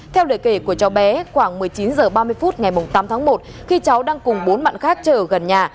theo lời kể của cháu bé khoảng một mươi chín h ba mươi phút ngày tám tháng một khi cháu đang cùng bốn bạn khác chở gần nhà